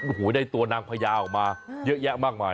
โอ้โหได้ตัวนางพญาออกมาเยอะแยะมากมาย